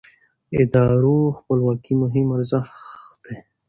د ادارو خپلواکي مهم ارزښت دی